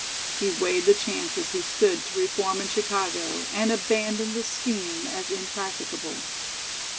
He weighed the chances he stood to reform in Chicago and abandoned the scheme as impracticable.